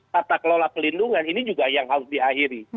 tata kelola pelindungan ini juga yang harus diakhiri